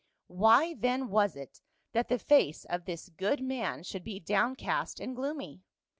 Why then was it that the face of this good man 116 PA VL. should be downcast and gloomy.